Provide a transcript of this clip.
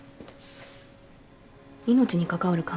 命に関わる患者なので。